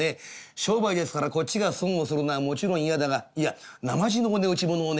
商売ですからこっちが損をするのはもちろん嫌だがいやなまじのお値打ちものをね